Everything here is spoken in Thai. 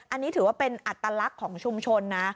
อันนี้ถือว่าเป็นอัตลักษณ์ของชุมชนนะ